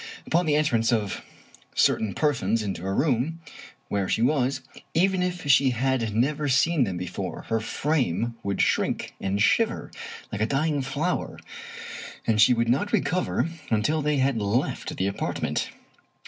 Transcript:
Upon the entrance of certain per sons into a room where she was, even if she had never seen them before, her frame would shrink and shiver like a dying flower, and she would not recover until they had left the apartment.